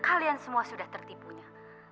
kalian semua sudah tertipunya